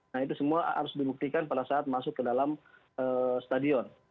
nah itu semua harus dibuktikan pada saat masuk ke dalam stadion